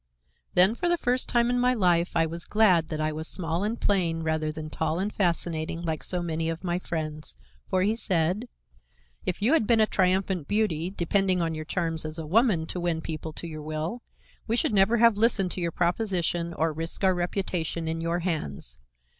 Then for the first time in my life I was glad that I was small and plain rather than tall and fascinating like so many of my friends, for he said: "If you had been a triumphant beauty, depending on your charms as a woman to win people to your will, we should never have listened to your proposition or risked our reputation in your hands.